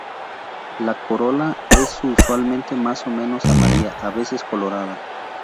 La corola es usualmente más o menos amarilla, a veces colorada.